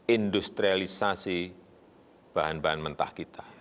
industrialisasi bahan bahan mentah kita